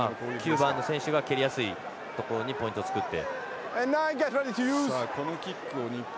９番の選手が蹴りやすいところにポイントを作って。